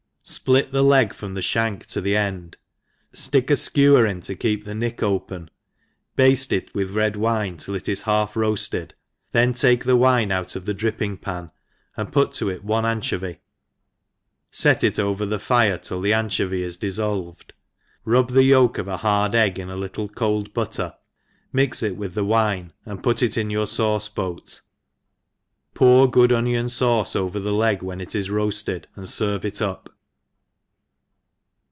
SPLIT the leg from tlie (hank to the end* ftick a fkewer in to keep the nick open, bafte it with red wine till it is half roafted^ih^n take the wine out of the dripping pan, ihd piit to it one anchovy, fet it over the nre till the anchovy is di&lved^ rub the yolk of ahaklegg in a little cold 3 io6 THE EXPERIEINCED cold butter, mix it with the wine, and put it in your fauce boat, put good onion fauceover the leg when it is rpafted, and fervc it up.